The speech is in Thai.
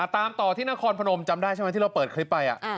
ตามต่อที่นครพนมจำได้ใช่ไหมที่เราเปิดคลิปไป